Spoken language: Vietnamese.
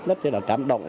rất là cảm động